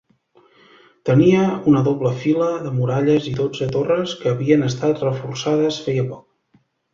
Tenia una doble fila de muralles i dotze torres que havien estat reforçades feia poc.